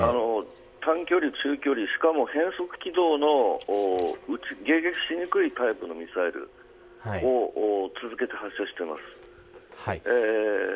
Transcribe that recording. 短距離、中距離しかも変則軌道の迎撃しにくいタイプのミサイルを続けて発射しています。